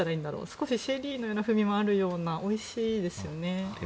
少しシェリーのような風味もあるようなおいしいですよね。